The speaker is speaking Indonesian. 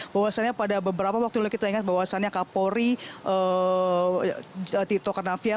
bahwasannya pada beberapa waktu lalu kita ingat bahwasannya kapolri tito karnavian